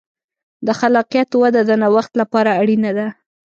د خلاقیت وده د نوښت لپاره اړینه ده.